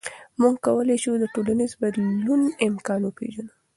موږ کولی شو د ټولنیز بدلون امکان وپېژنو.